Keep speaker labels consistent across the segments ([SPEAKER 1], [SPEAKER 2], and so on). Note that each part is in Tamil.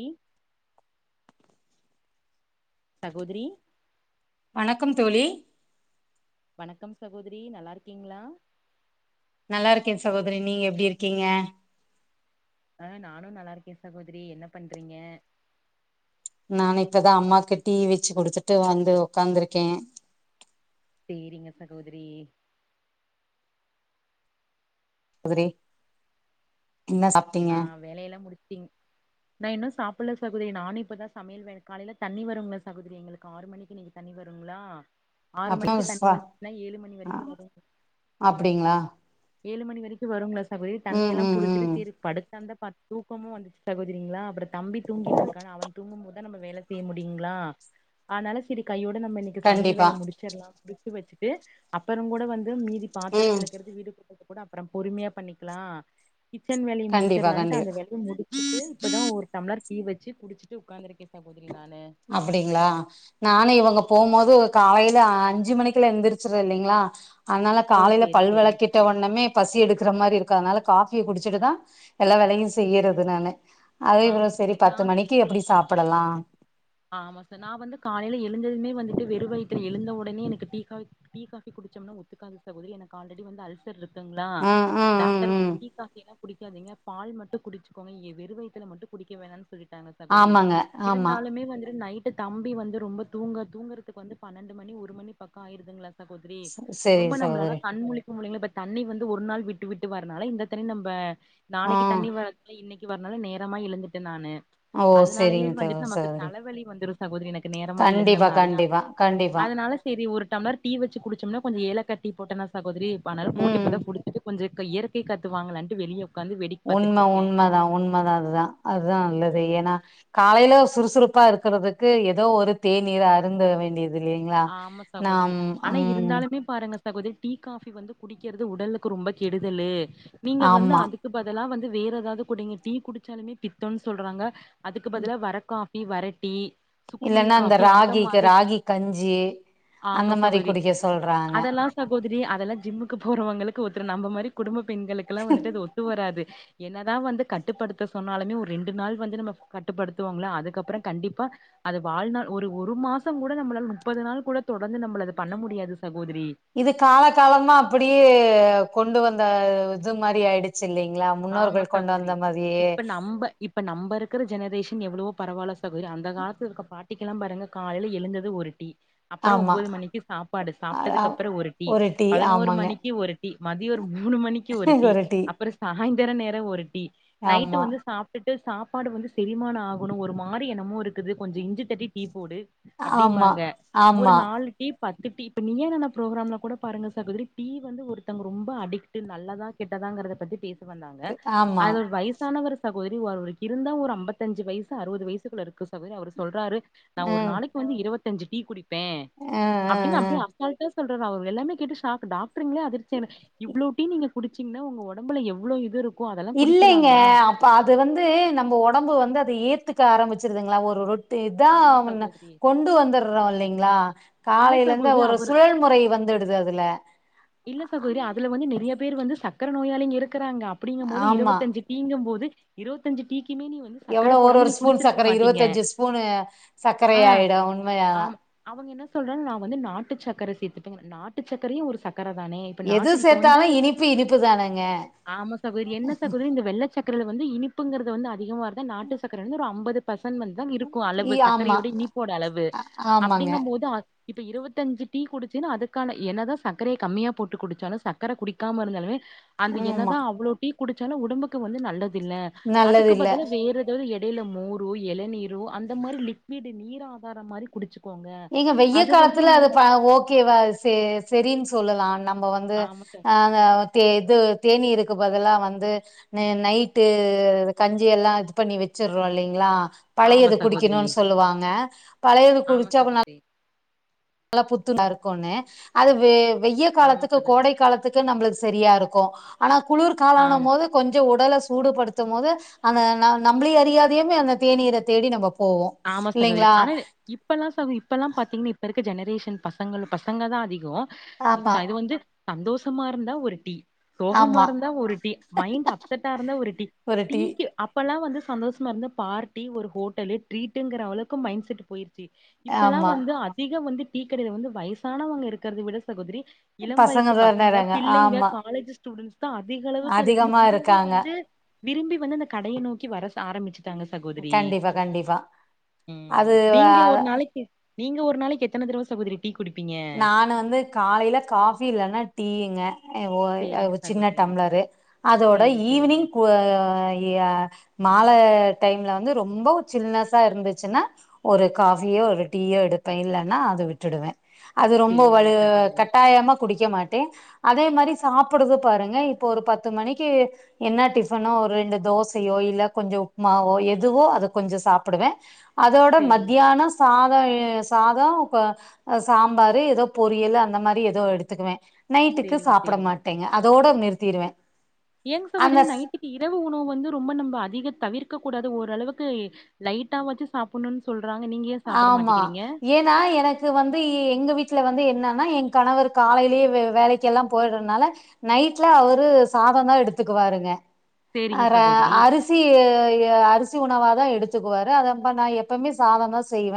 [SPEAKER 1] இ சகோதிரி
[SPEAKER 2] வணக்கம் தோழி
[SPEAKER 1] வணக்கம் சகோதிரி நல்லாருக்கீங்ளா
[SPEAKER 2] நல்லாருக்கே சகோதரி நீங்க எப்டி இருக்கீங்க
[SPEAKER 1] அஹ் நானு நல்லாருக்கே சகோதரி என்ன பண்றீங்க
[SPEAKER 2] நானு இப்பதா அம்மாக்கு டீ வெச்சி குடுத்துட்டு வந்து ஒக்காந்துருக்கே
[SPEAKER 1] செரிங்க சகோதிரி
[SPEAKER 2] அவ்ரே
[SPEAKER 1] அஹ் வேலையெல்லா முடிச்சீங் நா இன்னு சாப்புல்ல சகோதிரி நானு இப்பதா சமையல் வேல காலைல தண்ணி வருங்ள சகோதிரி எங்களுக்கு ஆறு மணிக்கு இன்னிக்கி தண்ணி வருங்ளா ஆறு
[SPEAKER 2] அப்றோ
[SPEAKER 1] மணிக்கு தண்ணி வந்னா ஏழு மணி வரிக்கு வரு
[SPEAKER 2] அப்டிங்களா
[SPEAKER 1] ஏழு மணி வரிக்கு வருங்ளா சகோதிரி
[SPEAKER 2] ம்
[SPEAKER 1] தண்ணியெல்லா
[SPEAKER 2] ம் ம்
[SPEAKER 1] புடிச்சிட்டு சேரு படுத் அந்த பாத் தூக்கமு வந்துச்சி சகோதிரிங்ளா அப்புறத் தம்பி தூங்கிட்டுருக்கானா அவன் தூங்கும்போது த நம்ம வேல செய்ய முடியுங்ளா அத்னால செரி கையோ ட நம்ம இன்னைக்கு சமையல் வேல
[SPEAKER 2] கண்டிப்பா
[SPEAKER 1] முடிச்சிரலாம் முடிச்சு வச் து அப்பறங் கூட வந் து மீதி பாத்திர
[SPEAKER 2] ம்
[SPEAKER 1] விளக்கிறது வீடு கூட் கூட அப்பறமம் பொறுமியா பண்ணிக்லா கிச்சன் வேல
[SPEAKER 2] கண்டிப்பா
[SPEAKER 1] முடிச்சர்லான்ட்டு அந்த
[SPEAKER 2] கண்டிப்பா
[SPEAKER 1] வேலய முடிச்சிட்டு இப்பதா ஒரு டம்ப்ளர் டீ வெச்சு குடிச்சிட்டு உக்காருந்திருக்கே
[SPEAKER 2] அப்டிங்ளா நானு இவங்க போமோது காலைல அஞ்சு மணிக்குல எந்திரச்சுற இல்லைங்களா அதனால
[SPEAKER 1] ஓ
[SPEAKER 2] காலைல
[SPEAKER 1] சேரி சேரிங்
[SPEAKER 2] பல்வளக்கிட்டு ஒன்னமே பசி எடுக்கிற மாரி இருக் கு அதனால காஃபிய குடிச்சிட்டுதா எல்லா வேலயு செய்யறது நானு அத இவ்ளோ
[SPEAKER 1] ஆமா
[SPEAKER 2] செரி
[SPEAKER 1] சகோதரி நா
[SPEAKER 2] பத்து மணிக்கு எப்டி சாப்படலா
[SPEAKER 1] ஆமா ச நா வந்து காலைல எழுஞ்சதுமே வந்துட்டு வெறு வைத்துல எலுந்த ஒடனே எனக்கு டீ காப் டீ காஃபி குடிச்சோம்னா ஒத்துக்காது சகோதரி எனக்கு ஆல்ரெடி வந்து அல்சர் ருக் குங்ளா
[SPEAKER 2] ஆ ஆ ஆ
[SPEAKER 1] டாக்டர் வந்
[SPEAKER 2] ம்
[SPEAKER 1] டீ காபி எல்லா குடிக்காதிங்க பால் மட்டு குடிச்சிகோங்க எ வெறு வயித்துல மட்டு குடிக்க வேணான் சொல்லிட் டாங்க சகோதரி
[SPEAKER 2] ஆமாங்க ஆமா
[SPEAKER 1] இருந்தாலுமே வந் து நைட்டு தம்பி வந்து ரொம்ப தூங்க தூங்குறதுக்கு வந்து பன்னண்டு மணி ஒரு மணி பக்கொ ஆயிருதுங்ளா சகோத்ரி
[SPEAKER 2] சேரி
[SPEAKER 1] ரொம்ப நம்லாலா
[SPEAKER 2] சகோதரி
[SPEAKER 1] கண்முழி முழிங்ள இப்ப தண்ணி வந்து ஒரு நாள் விட்டு விட்டு வரனால இந்த தண்ணி நம்ப
[SPEAKER 2] ஆ
[SPEAKER 1] நாளைக்கு தண்ணி வராது இன்னைக்கி கு வரனால நேரமா எழுந்துட்ட நானு
[SPEAKER 2] ஓ செரிங்க தங் சகோதரி
[SPEAKER 1] கி வந்துரு சகோதரி எனக் நேரமா
[SPEAKER 2] கண்டிப்பா
[SPEAKER 1] எழுந்தம்னாலயா
[SPEAKER 2] கண்டிப்பா கண்டிப்பா
[SPEAKER 1] அதனால செரி ஒரு டம்ளர் டீ வச்சு குடிச்சம்னா கொஞ்ச ஏலக்கா டீ போட்டனா சக் கோதிரி பணல் போட்டு
[SPEAKER 2] ம்
[SPEAKER 1] இப்பதா குடிச்சிட்டு கொஞ்ச க இயற்கை காத்து வாங்களான்ட்டு வெளிய உக்காந்து வேடிக்க பாத்துட்டு
[SPEAKER 2] உண்ம
[SPEAKER 1] இருக்கே
[SPEAKER 2] உண்மதா உண்மதா அதுதா அதா நல்லது
[SPEAKER 1] ம்
[SPEAKER 2] ஏனா காலைல சுறுசுறுப்பா இரு குறதுக்கு ஏதோ ஒரு தேநீர் அருந்த வேண்டியத் து இல்லைங்ளா
[SPEAKER 1] ஆமா
[SPEAKER 2] நாம் அம்
[SPEAKER 1] சகோதிரி டீ காபி வந்து குடிக்கிறது உடலுக்கு ரொம்ப கெடுதலு நீங்க வந்து
[SPEAKER 2] ஆமா
[SPEAKER 1] அதுக்கு பதிலா வந்து வேற எதாவது குடிங்க டீ குடிச்சாலுமே பித்தம்ன்னு சொல்றாங்க அதுக்கு பதிலா வர காப் டீ வரட்டி
[SPEAKER 2] இல்லன்னா இந்த ராகிக்கு ராகி கஞ்சி
[SPEAKER 1] ஆமா
[SPEAKER 2] அந்த மாரி
[SPEAKER 1] சகோதரி
[SPEAKER 2] குடிக்க சொல்றாங்க
[SPEAKER 1] அதெல்லா சகோதரி அதெல்லா ஜிம்முக்கு போறவங்களுக்கு ஒத்துரு நம்ம மாரி குடும்பப் பெண்களுக்குல்லா வந்துட்டு அது ஒத்து வராது என்னதா வந்து கட்டுப்படுத்த சொன்னாலுமே ஒரு ரெண்டு நாள் வந்து நம்ம கட்டுப்படுத்துவோங்ள அதுக்கப்பறொ கண்டிப்பா அது வாழ்நாள் ஒரு ஒரு மாசொ கூட நம்மளால முப்பது நாள் கூட தொடர்ந்து நம்மள அது பண்ண முடியாது சகோதரி
[SPEAKER 2] இது கால காலமா அப்டியே கொண்டு வந்த இது மாரி ஆயிடுச்சு இல்லைங்களா
[SPEAKER 1] ஆமா
[SPEAKER 2] முன்னோர்கள் கொண்டு
[SPEAKER 1] சகோதரி
[SPEAKER 2] வந்த மாதிரியே
[SPEAKER 1] இப்ப நம்ப இப்ப நம்ப இருக்குற ஜெனரேஷன் எவ்ளவோ பரவால்ல ச சகோதரி அந்த காலத்து இருக்க பாட் ட்டிக்குலா பாருங்க காலையல எழுந்தது ஒரு டீ அப்பறொ
[SPEAKER 2] ஆமா
[SPEAKER 1] ஒம்பது மணிக்கு சாப்பாடு
[SPEAKER 2] அ
[SPEAKER 1] சாப்பிட்டதுக்கப்பறொ ஒரு டீ பதினோரு மணிக்கு ஒரு டீ மதியொ ஒரு மூணு மணிக்கு ஒரு டீ அப்பறம் சாய்ந்தர நேர ஒரு டீ நைட்
[SPEAKER 2] ஆமா
[SPEAKER 1] வந்து சாப்ட்டுட் டு சாப்பாடு வந்து செரிமான ஆகணு ஒரு மாரி என்னமோ இருக்குது கொஞ்சொ இஞ்சி தட்டி டீ போடு
[SPEAKER 2] ஆமா
[SPEAKER 1] அப்டிம்பாங்க ஒரு
[SPEAKER 2] ஆமா
[SPEAKER 1] நாலு டீ பத்து டீ இப்ப நீயா நானா ப்ரோக்ராம்ல கூட பாருங்க சகோதரி டீ வந்து ஒருத்தங்க ரொம்ப அடிக்ட் நல்லதா கெட்டதாங்குறத பத்தி பேசு இது வந்தாங்க
[SPEAKER 2] ஆமா
[SPEAKER 1] அதுல ஒரு வயசான ஒரு சகோ கோதரி ஓ அவருக்கு இருந்தா ஒரு அம்பத்தஞ்சு வயசு அறுவது வயசுக்குள்ள இருக்கு சகோதரி அவர் சொல்றாரு நா ஒரு நாளைக்கு வந்து இருவத் தஞ்சு டீ குடி
[SPEAKER 2] ஆ ஆ ஆ
[SPEAKER 1] சொல்றாரு அவரு எல்லாமே கேட்டு ஷாக் டாக் ட்ருங்களே அதிர்ச்சி ஆன இவ்ளோ டீ நீங்க குடிச்சிங்ன்னா ஒங்க ஒடம்புல எவ் வ்ளோ இது இருக்
[SPEAKER 2] இல்லைங்க அப்ப அது வந்து நம்ம ஒடம்பு வந்து அத ஏத்து க ஆரம்பிச்சிருதுங்களா ஒரு ரொட் டிதா
[SPEAKER 1] ஆமா
[SPEAKER 2] அவன
[SPEAKER 1] சகோதரி
[SPEAKER 2] கொண்டு வந்தடுறோ இல்லைங்ளா
[SPEAKER 1] இல்ல
[SPEAKER 2] காலையில இருந்து
[SPEAKER 1] சகோதரி
[SPEAKER 2] ஒரு
[SPEAKER 1] அவரு
[SPEAKER 2] சுழல் முறை வந்துடுது அதுல
[SPEAKER 1] இல்ல சகோதரி அதுல வந்து நெறய பேர் வந்து சக்கர நோயாலிங்க இருக் இருக்கறாங்க அப்படிங்கபோது
[SPEAKER 2] ஆமா
[SPEAKER 1] இருபத்தஅஞ்சு டிங்கும் போது இருவத்தஞ்சு டிக்கி கிமேனி வந்து சக்கர
[SPEAKER 2] எவ்ளோ ஒரு
[SPEAKER 1] போடாம
[SPEAKER 2] ஒரு
[SPEAKER 1] நீ
[SPEAKER 2] ஸ்பூன்
[SPEAKER 1] குடிச்சிருக்க
[SPEAKER 2] சக்கர
[SPEAKER 1] மாட்டீங்க
[SPEAKER 2] இருவத்தஞ்சு ஸ்பூனு சக்கரை
[SPEAKER 1] ஆஹ்
[SPEAKER 2] ஆயிடு உண்மையாதா
[SPEAKER 1] அம அவங்க என்ன சொல்ற நான் வந்து நாட்டு ட்டு சக்கரை சேர்த்துப்பீங்க நாட்டு சக்கரையும் ஒரு சக்க கரதானே இப்ப
[SPEAKER 2] எது
[SPEAKER 1] நாட்டு இப்ப வந்து
[SPEAKER 2] சேத்தாலு இனிப்பு இனிப்பு தானங்க
[SPEAKER 1] ஆமா சகோ என்ன சகோதரி இந்த வெள்ள சக்கரல வந்து இனிப்புங்கிறது வந்து அதிகமாக வருது நாட்டு சக்கர வந்து ஒரு ஐம்பது பர்சன் [unintelligible] தான் இருக்கும்
[SPEAKER 2] இ
[SPEAKER 1] அளவு
[SPEAKER 2] ஆமா
[SPEAKER 1] சர்க்கரையோட இனிப்போட அளவு
[SPEAKER 2] ஆமாங்க
[SPEAKER 1] அப்படிங்கம் போது இப்ப இருபத்த அஞ்சு டீ குடிச்சுன்னா அதுக்கான எனதான் சக் சக்கரைய கம்மியா போட்டு குடிச்சாலும் சர்க்கரை குடிக்காம இருந்தாலுமே அந்த
[SPEAKER 2] ஆமா
[SPEAKER 1] என்னதான் அவ்ளோட்டி குடிச்சாலும் உடம்புக்கு வந்து நல்லது தில்ல
[SPEAKER 2] நல்லது
[SPEAKER 1] அதுக்கு
[SPEAKER 2] இல்ல
[SPEAKER 1] பதில வேற [unintelligible] டேல மோரு இளநீரு அந்த மாதிரி லிக்டு நீர் ஆகாரம் மாதிரி குடிச்ச
[SPEAKER 2] நீங்க வெய்ய காலத்துல அது ப்ப ஓகேவா செ செரிங்ஸ் சொல்லலான்ன நம்ம வந்து
[SPEAKER 1] ஆமா
[SPEAKER 2] ஹங்க தே இது தேனீருக்கு பதல்லா வந்து நே நைட்டு கஞ்சி எல்லாம் இது பண்ணி வச்சடுறோம் இல்லைங்களா
[SPEAKER 1] ஆமா
[SPEAKER 2] பழையது
[SPEAKER 1] சகோதரி
[SPEAKER 2] குடிக்கணும்னு சொல்லுவாங்க பழையது குடிச்
[SPEAKER 1] சக் கத்தி
[SPEAKER 2] நல்லா புத்துான இருக்குன்னே அதுவே வெய்ய
[SPEAKER 1] ஆமா
[SPEAKER 2] காலத்துக்கு
[SPEAKER 1] சகோதரி
[SPEAKER 2] கோடை காலத்துக்கு நம்ளுக்கு சரியா இருக்கு ஆனத் குளிர்காலனும்
[SPEAKER 1] ஆம்
[SPEAKER 2] போது கொஞ்ச உடலைச் சூடுபடுத்தும்மோது அந்த ந நம்பிளே அறியாதயுமே அந்த தேநீரைத் தேடி நம்மப்
[SPEAKER 1] ஆமா சகோதரி ஆனா இப்பெல்லாம் சமி இப்பெல்லாம் பாத்தீங்கன்னா இப்ப இருக் க்குஜெனரேஷன் பசங்கள்லு பசங்க தான் அதிகம் ச்ச
[SPEAKER 2] ஆமா
[SPEAKER 1] அது வந்து சந்தோஷமா இருந்தா ஒரு டீ சோகமா
[SPEAKER 2] ஆமா
[SPEAKER 1] இருந்தா ஒரு டீ மைண்ட் அப்செடா இருந்தா ஒரு டீ
[SPEAKER 2] ஒரு டீ
[SPEAKER 1] டீக்கு அப்பெல்லாம் வந்து சந்தோஷமா இருந்த பார்ட்டி ஒரு ஹோட்டல்லு டிரிட்டுங்கிற அளவுக்கு மைண்ட செட் போயிருக் ச்சி இப்பல்லாம்
[SPEAKER 2] ஆமா
[SPEAKER 1] வந்து அதிகம் வந்து டீக்க கடையில வந்து வயசானவங்க இருக்கறத விட சகோதிரி இளம் வயசு பசங்க
[SPEAKER 2] தானறாங்க
[SPEAKER 1] பிள்ளைங்க
[SPEAKER 2] ஆமா
[SPEAKER 1] காலேஜ்ஸ் ஸ்டூடண்ட்ஸ் தா அதிக அளவுக்கு அத வந்து
[SPEAKER 2] அதிகமா
[SPEAKER 1] விரும்பி
[SPEAKER 2] இருக்காங்க
[SPEAKER 1] வந்து விரும்பி வந்து அந்த கடைய நோக்கி வர ஆரம்பிச்சு டாங்க சகோதரி
[SPEAKER 2] பா அது
[SPEAKER 1] நீங்க ஒரு நாளைக்கு நீங்க ஒரு நாளைக் எத்தன தடவ சகோதரி டீ குடிப்பீங்க
[SPEAKER 2] நான் வந்து காலைல காஃபி இல்லைன்னா டீங்க ஹ ஓ
[SPEAKER 1] சேரிங்க
[SPEAKER 2] ய சின்ன
[SPEAKER 1] சகோதரி
[SPEAKER 2] டம்ளரு அதோட
[SPEAKER 1] சேரி சேரிங்க
[SPEAKER 2] ஈவினிங் குவா யா மால டைம்ல வந்து ரொம்ப சில்னஸா இருந்துச்சுன்னா ஒரு காஃபியோ ஒரு டீயோ எடுப்பே இல்லனா அத விட்டுடுவே அது ரொம்ப
[SPEAKER 1] சேரிங்க
[SPEAKER 2] வலு
[SPEAKER 1] சகோதரி
[SPEAKER 2] கட்டாயமா குடிக் வக்க மாட்டே அதே மாரி சாப்புட்றது பாருங்க இப்ப ஒரு பத்து மணிக்கு என்ன டிஃபனோ ஒரு ரெண்டு தோசையோ இல்ல கொஞ்சோ உப்மாவோ எதுவோ அத கொஞ்சோ சாப்புடுவே அதோட
[SPEAKER 1] சேரிங்க
[SPEAKER 2] மத்தியானம் சாதோ எ சாதோ ப அ சாம்பாரு எதோ பொரியலு அந்த மாரி எதோ எடுத்துக்குவ நைட்டுக்கு
[SPEAKER 1] சேரிங்க
[SPEAKER 2] சாப்ட மாட்டேங்க அத் தோட நிறுத்திருவ
[SPEAKER 1] ஏனுங் சகோதரி நைட்டுக்கு இரவு உணவு வந்து ரொம்ப நம்ப அதிக தவிர்க்க கூடாது து ஓரளவுக்கு லைட்டாவாச்சு சாப்புட்ணுன் சொல்
[SPEAKER 2] ஆமா ஏனா எனக்கு வந்து எங்க வீட்ல வந்து என்னா ஆனா எ கணவர் காலைலயே வே வேலைக்கெல்லா போய்டறதுனால நைட்ல அவரு சாதோந்தா எடுத்துக்குவாருங்க அ
[SPEAKER 1] சேரிங்க
[SPEAKER 2] ர
[SPEAKER 1] சகோதரி
[SPEAKER 2] அரிசி எ அரிசி உணவா தா எடுத்துக்குவாரு அதாம்பா நா எப்போமே சாதோந்தா செய்வ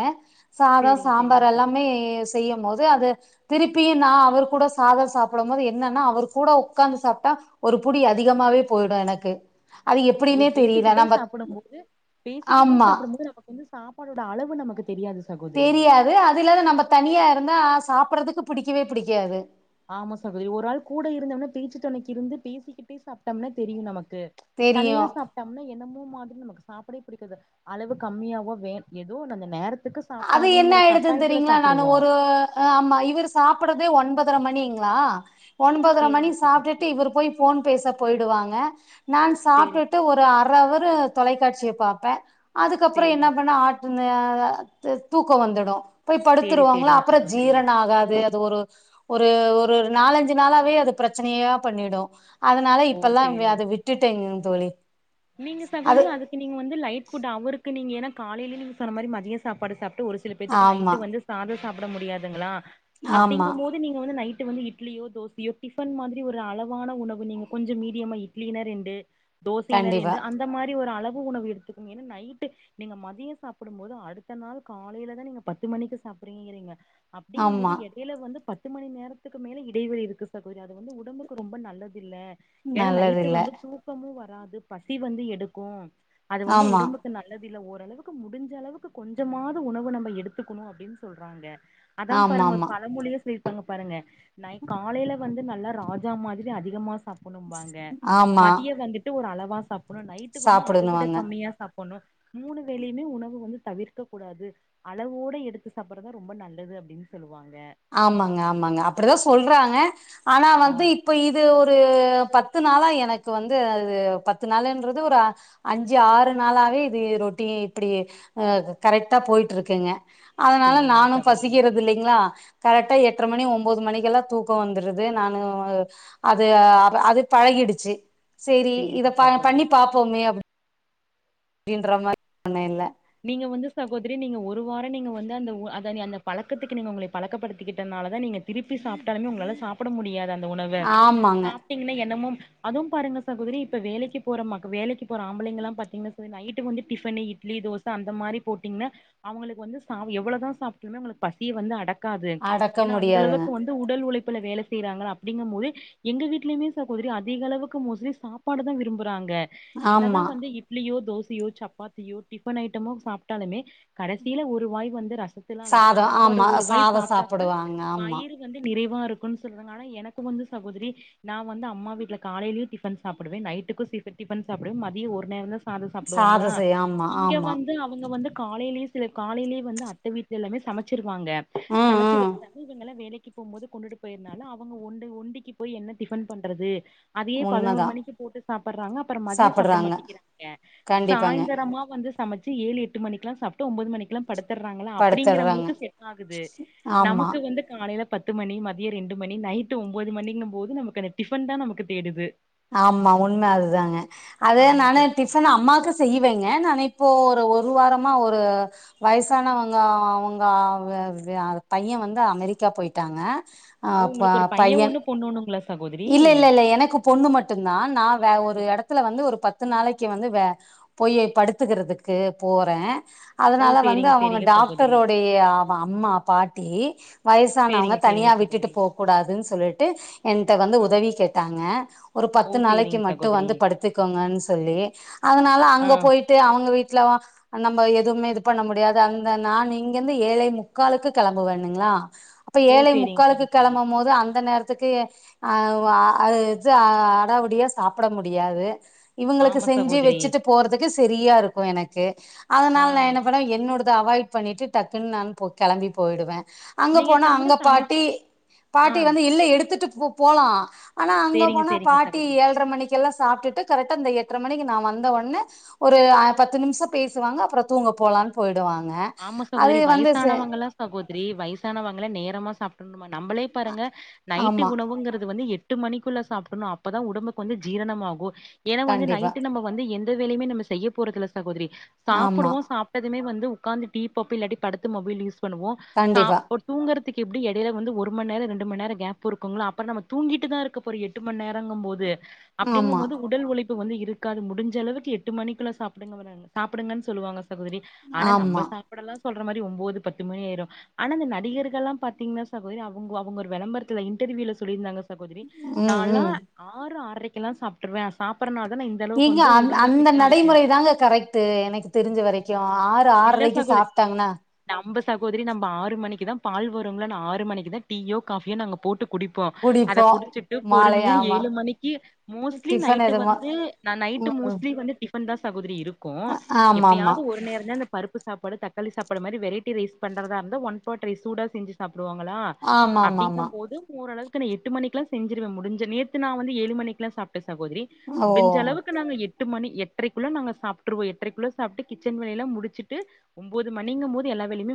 [SPEAKER 2] சாதோ
[SPEAKER 1] சேரிங்க சேரிங்க
[SPEAKER 2] சாம்பார் எல்லாமே
[SPEAKER 1] சகோதரி
[SPEAKER 2] செய்யும் போது அது திருப்பியு நா அவர் கூட சாதோ சாப்படும்போது என்னன்னா அவர் கூட உக்காந்து சாப்ட்டா ஒரு புடி அதிகமாவே போயிடு எனக்கு அது
[SPEAKER 1] ஓ
[SPEAKER 2] எப்படின்னே தெரியல
[SPEAKER 1] பேசிக்கிட்டே
[SPEAKER 2] நம்ம
[SPEAKER 1] சாப்புடும் போது பேசிக்கிட்டே
[SPEAKER 2] ஆமா
[SPEAKER 1] சாப்புடும் போது நமக் வந்து சாப்பாடோட அளவு நமக்கு தெரியாது சகோதரி
[SPEAKER 2] தெரியாது அது இல்லாம நம்ப தனியா இருந்தா சாப் புட்றதுக்கு புடிக்கவே புடிக்காது
[SPEAKER 1] ஆமா சகோதரி ஒரு ஆள் கூட இருந்தோம்னா பேச்சு தொனைக்கி இருந்து பேசிக்கிட்டே சாப்ட்டம்னா தெரியும் நமக் கு தனியா
[SPEAKER 2] தெரியும்
[SPEAKER 1] சாப்பிட்டம்னா என்னமோ மாதிரி நமக்கு சாப்டே பிடிக்காது அளவு கம்மியாவோ வே ஏதோ ஒன்னு அந்த நேரத்
[SPEAKER 2] அது என்ன ஆயிடுதுன் தெரியுங்களா நாங்க ஒரு ஆமா இவரு சாப்ட ஒன்பதரை மணிங்களா ஒன்பதரை மணி
[SPEAKER 1] சேரிங்க
[SPEAKER 2] சாப்பிட்டுட்டு
[SPEAKER 1] சகோதரி
[SPEAKER 2] இவரு போய் ஃபோன் பேச போயிடுவாங்க ஆஸ் நா
[SPEAKER 1] சேரி
[SPEAKER 2] சாப்டுட்டு ஒரு அறவு தொலைக்காட்சிய பாப்ப அதுக்கப்புறோ என்ன
[SPEAKER 1] சேரிங்க
[SPEAKER 2] பண்ணா ஆ [unintelligible] தூக்கோ வந்துடோ போய்
[SPEAKER 1] சேரி
[SPEAKER 2] படுத்துருவாங்களா
[SPEAKER 1] சேரிங்க
[SPEAKER 2] அப்புறோ
[SPEAKER 1] சகோதரி
[SPEAKER 2] ஜீரண ஆகாது அது ஒரு ஒரு ஒரு ஒரு ஒரு நாலஞ்சு நாளாவே அது பிரச்சனையா பண்ணிடோ அதனால
[SPEAKER 1] ஓ
[SPEAKER 2] இப்பெல்லா
[SPEAKER 1] சேரிங்க
[SPEAKER 2] அத விட்டுட்டேங்க தோழி
[SPEAKER 1] நீங்க
[SPEAKER 2] அது
[SPEAKER 1] சகோதரி அதுக்கு நீங்க வந்து லைட்புட் அவருக்கு நீங்க ஏன்ன காலையிலே நீ சொன்னதிரி மதியம் சாப்பாடு சாப்பிட்டு ஒரு சில பேத்துக்கு
[SPEAKER 2] ஆமா
[SPEAKER 1] நைட்டு வந்து சாத சாப்பிட முடியாதுங்களா
[SPEAKER 2] ஆமா
[SPEAKER 1] அப்படிங்க போது நீங்க வந்து நைட் வந்து இட்லியோ தோசையோ டிபன் மாரி ஒரு அளவான உணவு நீங்க கொஞ்சம் மீடியமா இட்லிலா ரெண்டு னர்
[SPEAKER 2] கண்டிப்பா
[SPEAKER 1] என்று அந்த மாரி ஒரு அளவு உணவு எடுத்துக்க ஏன்னா நைட்டு நீங்க மதியோ சாப்பிடும் போது அடுத்த நாள் காலைலதா நீங்க பத்து மணிக்கு சாப்பிறீங்கிறீங்க அப்படிங்க போது
[SPEAKER 2] ஆமா
[SPEAKER 1] எடைல வந்து ப பத்து மணி நேரத்துக்கு மேல இடைவெளி இருக்கு சகோதரி அது வந்து உடம்புக்கு ரொம்ப நல்லது இல்லை ஏன்னா
[SPEAKER 2] நல்லது இல்ல
[SPEAKER 1] நைட்டுக்கு வந்து தூக்கமோ வ அது பசி வந்து எடுக்கோ அது வந்து
[SPEAKER 2] ஆமா
[SPEAKER 1] உடம்புக்கு நல்லது இதுல ஓரளவுக்கு முடிஞ்ச அளவுக்கு கொஞ்சமது உணவு நம்ம எடுத்துக்கணும் அப்படின்னு சொல்றாங்க அதா பாருங்க ஒரு
[SPEAKER 2] ஆமாமா
[SPEAKER 1] பழ மொழிய ச பாருங்க பாருங்க நா காலைல வந்து நல்லா ராஜா மாதிரி அதிகமா சாப்பும்பாங்க
[SPEAKER 2] ஆமா
[SPEAKER 1] மதியம் வந்துட்டு ஒரு அளவு நைட்டுக்கு வந்து அத விட
[SPEAKER 2] சாப்பிடணுவாங்க
[SPEAKER 1] கம்மியாப்ப ும் மூணு வேலையுமே உணவு வந்து தவிர்க்க கூடாது அளவோட எடுத்து சாப்பிடடுறதுதான் ரொம்ப நல்லது அப்படின்னு சொல்லுவாங்க
[SPEAKER 2] ஆமாங்க ஆமாங்க அப்படிதா சொல்றாங்க ஆனா
[SPEAKER 1] ஆ
[SPEAKER 2] வந்து இப்ப இது ஒரு பத்து நாளா எனக்கு வந்து அது பத்து நாளுன்றது ஒரு ஆ அஞ்சு ஆறு நாளாவே இது எ ரொட்டி இப்பிடி ஆ கரெக்ட்டா போயிட்டுருக்குங்கா அதனால
[SPEAKER 1] சேரிங்க
[SPEAKER 2] நானு
[SPEAKER 1] சகோதரி
[SPEAKER 2] பசிக்கிறது இல்லிங்ளா கரெட்டா எட்ர மணி ஒம்போது மணிக்கெல்லா தூக்கோ வந்துருது நானு அது அது பழகிடுச்சு சேரி இத
[SPEAKER 1] சேரிங்க
[SPEAKER 2] ப பண்ணி
[SPEAKER 1] சகோதரி
[SPEAKER 2] பாப்போமே அப் டின்ற மாரி [inaudible] இல்ல
[SPEAKER 1] நீங்க வந்து சகோதரி நீங்க ஒரு வாரம் நீங்க வந்து அந்தவ் அத நீ அந்த பழக்கத்துக்கு நீங்க உங்களை பழக்கப்படுத்திக்கிட்டனால தா நீங்க திருப்பி சாப்ட்டாலுமே உங்களால சாப்புட முடியாது அந் த உணவ
[SPEAKER 2] ஆமாங்க
[SPEAKER 1] சாப்ட்டீங்கனா என்னமும் அதுவும் பாருங்க சகோதரி இப்ப வேலக்கி போற மக் வேலக்கி போற ஆம்பளைங்கலாம் பாத்தீங்கனா சரி நைட்டு வந்து டிஃபனு இட்லி தோஸ் ச அந்த மாரி போட்டீங்னா அவுங்களுக்கு வந்து சாவு எவ்வளோ தா சாப்ட்டுமே அவுங்களுக்கு பசிய வந்து அடக் காது
[SPEAKER 2] அடக்க
[SPEAKER 1] ஏன்னா
[SPEAKER 2] முடியாதுங்க
[SPEAKER 1] அந்தளவுக்கு வந்து உடல் உளை ப்புல வேல செய்றாங்கல அப்படிங்கம்மோயே எங்க வீட்டுலயுமே சகோதரி அதிகளவுக்கு மோஸ்லி சாப்பாடு தா விரும்புறாங்க என்னதா
[SPEAKER 2] ஆமா
[SPEAKER 1] வந்து இட்லியோ தோஸ் சயோ சப்பாத்தியோ டி ஃபன் ஐட்டமும் சாப்ட்டாலுமே கடசில ஒரு வாய் வந்து ரஸ் த்துலால்லது
[SPEAKER 2] சாதோ
[SPEAKER 1] சாப்பாடு
[SPEAKER 2] ஆமா
[SPEAKER 1] ஒரு வாய்
[SPEAKER 2] சாதோ
[SPEAKER 1] சாப்ட்டாக்க
[SPEAKER 2] சாப்புடுவாங்க ஆமா
[SPEAKER 1] வயிறு வந்து நிறைவா ட்ருக்குன் சொல்றாங்க ஆனா எனக்கு வந்து சகோதரி நா வந்து அம்மா வீட்ல காலலயு டிஃபன் சாப்புடுவே நைட்டுக்கு சி டிஃபன் சாப்புடுவே மதிய ஒரு நேரோந்தா
[SPEAKER 2] சாதோ செய் ஆமா
[SPEAKER 1] இங்க
[SPEAKER 2] ஆமா
[SPEAKER 1] வந்து அவுங் க வந்து காலைலியே சில காலைலியே வந்து அத்த வீட்ல எல்லாமே சமச்சிரு வாங்க
[SPEAKER 2] ம்
[SPEAKER 1] சமச்சி
[SPEAKER 2] ம்
[SPEAKER 1] வச்ட்டாங்க இவங்களா வேலைக்கி போம்போது கொன்டுட்டு போயிர்னால அவங்க ஒண்டு ஒண்டிக்கு போய் என்ன டிஃபன் பண்றது அதயே பதினோரு
[SPEAKER 2] உண்மதா
[SPEAKER 1] மணிக்கு போட்டு சாப்பறாங்க அப்பறம் மதிய சாப்ட
[SPEAKER 2] சாப்புட்றாங்க
[SPEAKER 1] மாட்டிக்கிறாங்க
[SPEAKER 2] கண்டிப்பாங்க
[SPEAKER 1] சாய்ந்தரமா வந்து சமச்சு ஏழு எட்டு மணிக்குலா சாப்ட்டு ஒம்பது மணிக்குலாம் படுத்தர்றாங்களா
[SPEAKER 2] படுத்துட்றாங்க
[SPEAKER 1] அப்டிங்கிறவங்களுக்கு செட் ஆகுது
[SPEAKER 2] ஆமா
[SPEAKER 1] நமக்கு வந்து காலைல பத்து மணி மதிய ரெண்டு மணி நைட்டு ஒம்போது மணிங்கு போது நமக்கு அந்த டிஃபன் தா நமக்கு தேடுது
[SPEAKER 2] ஆமா உண்ம அதுதாங்க அது
[SPEAKER 1] ஆமா
[SPEAKER 2] நானே
[SPEAKER 1] சகோதரி
[SPEAKER 2] டிஃபனு அம்மாக்கு செய்வேங்க நானே இப்போ ஒரு ஒரு வாரமா ஒரு வயசானவங்க அவுங்க அவ் பையன் வந்து அமெரிக்கா போயிட்டாங்க
[SPEAKER 1] ஓ
[SPEAKER 2] ஆ ப
[SPEAKER 1] ஒங்களுக்கு ஒரு
[SPEAKER 2] பைய
[SPEAKER 1] பையன் ஒண்ணு பொண்ணு ஒணுங்களா
[SPEAKER 2] இல்ல இல்ல இல்ல எனக்கு பொண்ணு மட்டுந்தா நா வே ஒரு எடத்துல வந்து ஒரு பத் து நாளக்கி வந்து வே பொய்யே படுத்துக்குறதுக்கு போறே
[SPEAKER 1] ஓ
[SPEAKER 2] அதனால வந்து
[SPEAKER 1] சேரிங்க
[SPEAKER 2] அவங்க
[SPEAKER 1] சேரிங்க சகோதரி
[SPEAKER 2] டாக்டரோடைய அவ அம்மா பாட்டி வயசானவங்க
[SPEAKER 1] சேரிங்க
[SPEAKER 2] தனியா
[SPEAKER 1] சேரிங்க
[SPEAKER 2] விட்டுட்டு
[SPEAKER 1] சகோதரி
[SPEAKER 2] போ கூடாதுன் சொல்லிட்டு என் என்ட வந்து
[SPEAKER 1] ஆ
[SPEAKER 2] உதவி கேட்டாங்க ஒரு
[SPEAKER 1] ஓ
[SPEAKER 2] பத்து நாளக்கி
[SPEAKER 1] சேரிங்க
[SPEAKER 2] மட்டு
[SPEAKER 1] சகோதரி
[SPEAKER 2] வந்து படுத்துக்கோங்கன் சொல்லி அதனால
[SPEAKER 1] ஆ
[SPEAKER 2] அங்க போயிட்டு அவங்க வீட்ல தா அ நம்ப எதுமே இது பண்ண முடியாது அந்த நான் இங்கேந்து ஏழே முக்காலுக்கு கெளம்புவேணுங்ளா இப்ப
[SPEAKER 1] ஓ
[SPEAKER 2] ஏழை
[SPEAKER 1] சேரிங்க
[SPEAKER 2] முக்காலுக்கு
[SPEAKER 1] சகோதரி
[SPEAKER 2] கிளம்பும் போது அந்த நேரத்துக்கு அஹ் வ அது இது அடாவடியா சாப்ட முடியாது இவுங்களுக்கு
[SPEAKER 1] ஆமா
[SPEAKER 2] செஞ்சு
[SPEAKER 1] சகோதரி
[SPEAKER 2] வச்சுட்டு போறதுக்கு சரியா இருக்கும் எனக்கு
[SPEAKER 1] ஆ
[SPEAKER 2] அதுனால நான் என்ன பண்ணேன் என்னோட அத அவாய்ட் பண்ணிட்டு டக்குன்னு நான் போ கிளம்பி போய்டுவேன் அங்க
[SPEAKER 1] நீங்க
[SPEAKER 2] போனா
[SPEAKER 1] கம்முனு
[SPEAKER 2] அங்க
[SPEAKER 1] சமை
[SPEAKER 2] பாட்டி
[SPEAKER 1] ஆ
[SPEAKER 2] பாட்டி வந்து இல்ல எடுத்துட்டு போலாம் ஆனா அங்க
[SPEAKER 1] சேரிங்க
[SPEAKER 2] போனா
[SPEAKER 1] சேரிங்க
[SPEAKER 2] பாட்டி
[SPEAKER 1] சகோதரி
[SPEAKER 2] ஏழ்ரை மணிக்கல்லாம் சாப்ட்டுட்டு கரெக்டா அந்த எ எட்ர மணிக்கு நான் வந்த உடனே ஒரு பத்து நிமிஷம் பேசுவாங்க அப்புறம் தூங்க போலான்னு போய்டுவாங்
[SPEAKER 1] ஆமா சகோதிரி வயசானவங்கல்லா சகோதிரி வயசானவங்களா நேரமா சாப் [unintelligible] நம்மளே பாருங்க நைட்டு
[SPEAKER 2] ஆமா
[SPEAKER 1] உணவுங்கிறது வந்து எட் எட்டு மணிக்குள்ள சாப்டணும் அப்பதான் உடம்புக்கு வந்து ஜீரணமாகும் ஏன்னா வந்து
[SPEAKER 2] கண்டிப்பா
[SPEAKER 1] நைட் நம்ம வந்து எந் த வேலையுமே நம்ம செய்ய போறதுல்ல சகோதரி
[SPEAKER 2] ஆமா
[SPEAKER 1] சாப்பிடுவோம் சாப்பிட்டதுமே வந்து உக்காந்து டி வி பாப்போ இல்லாட்டி படுத்து மொபைல் யூஸ் பண்ணுவோம் சா
[SPEAKER 2] கண்டிப்பா
[SPEAKER 1] ஒரு தூங்குறது துக்கு எப்டியு எடைல வந்து ஒரு மண் நேரோ ரெண்டு மண் நேரோ கேப் இருக்குங்கள்ள அப்ப நம்ம தூங்கிட்டு தான் இருக்கப்ப போறோ எட்டு மண் நேரங்கும்போது
[SPEAKER 2] ஆமா,
[SPEAKER 1] அப்டிங்கும் போது உடல் உழைப்பு பு வந்து இருக்காது முடிஞ்ச அளவுக்கு எட்டு மணிக்குள்ள சாப்டுங்க சாப்டுங்கன்னு சொல்லுவாங்க சகோதரி ஆனா நம்ம
[SPEAKER 2] ஆமா.
[SPEAKER 1] சாப்டல்லாம் சொல்ற மாரி ஒம்போது பத்து மணி ஆய்ரும் ஆனா அந்த நடிகர்களலாம் பாத்தீங்கன்னா சகோதரி அவுங்க அவுங்க விளம்பரத்துல இன்டர்வியூல சொல்லிருந்தாங்க சகோதரி
[SPEAKER 2] ம்,
[SPEAKER 1] நாள்ளா
[SPEAKER 2] ம்.
[SPEAKER 1] ஆறு ஆர்ரை கல்லாம் சாப்ட்ருவேன் சாப்
[SPEAKER 2] நீங்க அ அந்த
[SPEAKER 1] இருக்கே
[SPEAKER 2] நடைமுறை தாங்க கரெக்டு எனக்கு தெருஞ்ச வரைக்கும் ஆறு
[SPEAKER 1] இல்ல சகோதிரி நம்ப சகோதிரி நம்ப ஆறு மணி க்குதான் பால் வரும்ங்ள நா ஆறு மணிக்கு தான் டீயோ காஃபியோ நாங்க போட்டு குடிப்போம் அத
[SPEAKER 2] குடிப்போம்.
[SPEAKER 1] குடிச்சட்டு
[SPEAKER 2] மாலை
[SPEAKER 1] பொறுமையா
[SPEAKER 2] ஆமா.
[SPEAKER 1] ஏழு மணிக்கு மோஸ்ட்லி
[SPEAKER 2] டிஃபன்
[SPEAKER 1] நைட்டு
[SPEAKER 2] எதுமா
[SPEAKER 1] வந்து நா நைட்டு
[SPEAKER 2] ம்.
[SPEAKER 1] மோஸ்ட்லி வந்து டிஃப்பன் தா செ சகோதிரி இருக் கும்
[SPEAKER 2] ஆமாமா.
[SPEAKER 1] எப்பயாவது ஒரு நேரம் தான் இந்த சாப்பாடு தக்காளி சாப்பாடு மாரி வெரைட்டி ரைஸ் பண்றதா இருந்த ஒன் பாட் ரைஸ் சூடா செஞ்சு சாப் டுவாங்களா அப்டிங்க
[SPEAKER 2] ஆமாமாமா.
[SPEAKER 1] போது ஓரளவு க்கு எட்டு மணிக்கலாம் செஞ்சிருவேன் முஞ்சா நேத்து நான் வந்து ஏழு மணிக்குலா சாப் க சகோதிரி
[SPEAKER 2] ஓ!
[SPEAKER 1] முடிஞ்சளவுக்கு நாங்க எட்டு ட்டு மணி எட்டரைக்குல்ல நாங்க சாப்ட்டுருவோம் எட்டரைக்குல்ல சாப்ட்டு கிச்சன் வேலைலாம் முடிச் முடிச்சிட்டு டு ஒம்போது மணிங்கம்மோது எல்லா வேலையுமே